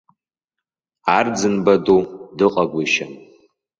Арӡынба ду дыҟагәышьам.